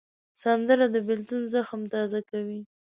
سندره د بېلتون زخم تازه کوي